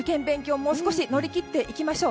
もう少し乗り切っていきましょう。